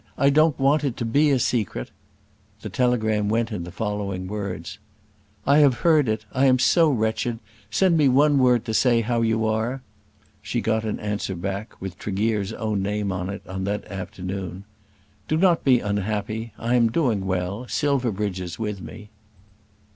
"I don't want it to be a secret." The telegram went in the following words: "I have heard it. I am so wretched. Send me one word to say how you are." She got an answer back, with Tregear's own name to it, on that afternoon. "Do not be unhappy. I am doing well. Silverbridge is with me."